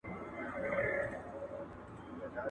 زموږ د کلي په مابین کي را معلوم دی کور د پېغلي.